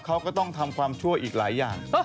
เขาก็ต้องทำความชั่วอีกหลายอย่าง